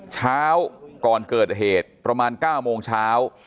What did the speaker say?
เช้าก่อนเกิดเหตุประมาณ๙โมงเช้า